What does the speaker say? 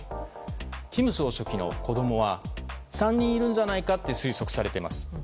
金総書記の子供は３人いるんじゃないかと推測されています。